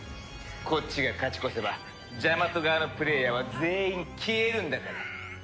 こっちが勝ち越せばジャマト側のプレイヤーは全員消えるんだから。